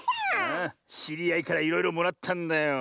しりあいからいろいろもらったんだよ。